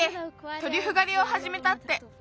トリュフがりをはじめたって。